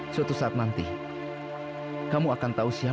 apa kata saya mencintai saya